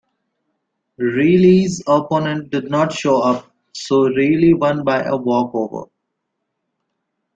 Reile's opponent did not show up, so Reile won by a walkover.